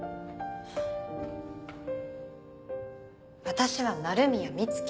私は鳴宮美月。